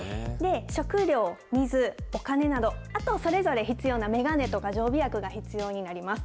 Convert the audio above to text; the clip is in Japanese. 食料、水、お金など、あとはそれぞれ必要な眼鏡とか常備薬が必要になります。